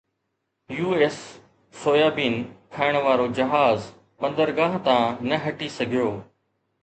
U S soyabean کڻڻ وارو جهاز بندرگاهه تان نه هٽي سگهيو